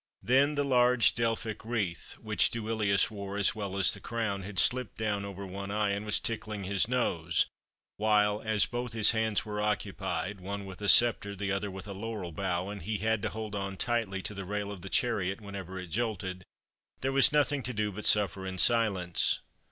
Then the large Delphic wreath, which Duilius wore as well as the crown, had slipped down over one eye, and was tickling his nose, while (as both his hands were occupied, one with a sceptre the other with a laurel bough, and he had to hold on tightly to the rail of the chariot whenever it jolted) there was nothing to do but suffer in silence.